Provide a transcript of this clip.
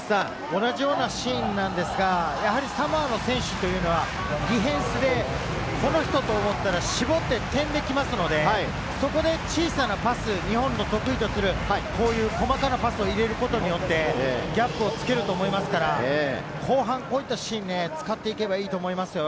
同じようなシーンなんですが、サモアの選手というのはディフェンスで、この人と思ったら絞って点で来ますので、そこで小さなパス、日本の得意とする、こういう細かなパスを入れることによって、ギャップをつけると思いますから、後半、こういったシーンを使っていけばいいと思いますよ。